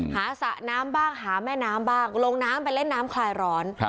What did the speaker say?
สระน้ำบ้างหาแม่น้ำบ้างลงน้ำไปเล่นน้ำคลายร้อน